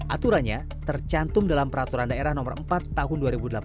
aturannya tercantum dalam peraturan daerah no empat tahun dua ribu delapan belas